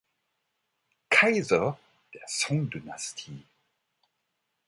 Kaiser der Song-Dynastie